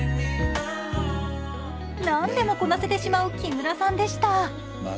何でもこなせてしまう木村さんでした。